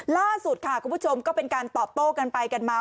ล่าสุดค่ะคุณผู้ชมก็เป็นการตอบโต้กันไปกันมา